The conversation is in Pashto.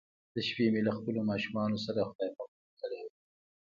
د شپې مې له خپلو ماشومانو سره خدای پاماني کړې وه.